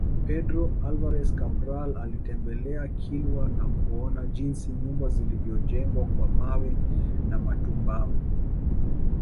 Pedro Alvares Cabral alitembelea Kilwa na kuona jinsi nyumba zilivyojengwa kwa mawe na matumbawe